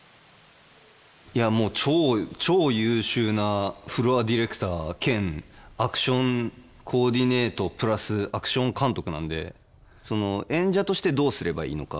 いやもう超優秀なフロアディレクター兼アクションコーディネートプラスアクション監督なんで演者としてどうすればいいのか。